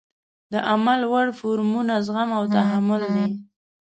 د عمل وړ فورمول زغم او تحمل دی.